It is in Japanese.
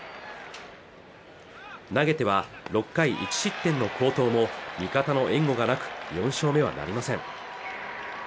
投げては６回１失点の好投も味方の援護がなく４勝目はなりません